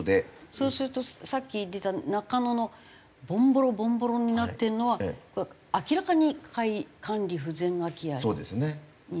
そうするとさっき出た中野のボンボロボンボロになっているのは明らかに管理不全空き家になるんですか？